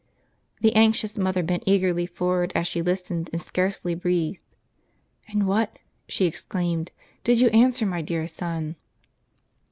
The anxious mother bent eagerly forward as she listened, and scarcely breathed. "And what," she exclaimed, "did you answer, my dear son?"